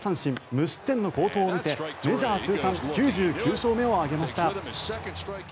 無失点の好投を見せメジャー通算９９勝目を挙げました。